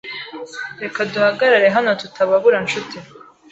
Reka duhagarare hano tutababura ncuti